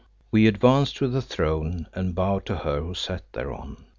We advanced to the throne and bowed to her who sat thereon.